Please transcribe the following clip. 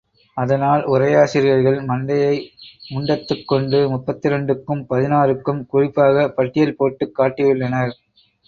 அதனால், உரையாசிரியர்கள் மண்டையை உண்டத்துக் கொண்டு, முப்பத்திரண்டுக்கும், பதினாறுக்கும் குறிப்பாகப் பட்டியல் போட்டுக் காட்டியுள்ளனர்.